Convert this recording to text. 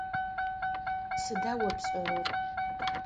Сыда о пшӏэрэр?